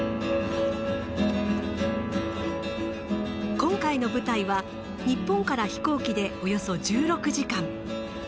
今回の舞台は日本から飛行機でおよそ１６時間。